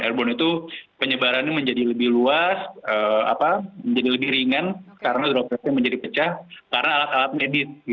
airborne itu penyebarannya menjadi lebih luas menjadi lebih ringan karena dropletnya menjadi pecah karena alat alat medis